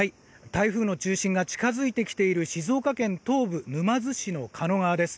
台風の中心が近付いてきている静岡県の東部沼津市の狩野川です。